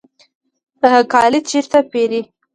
کالی چیرته پیرئ؟